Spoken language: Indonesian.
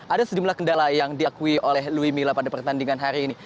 ada sejumlah kendala yang diakui oleh louis mila pada pertandingan hari ini